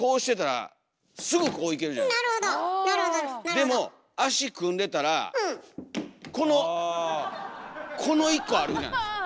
でも足組んでたらこのこの１個あるじゃないですか。